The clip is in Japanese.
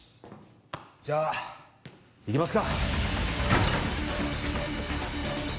じゃあいきますか！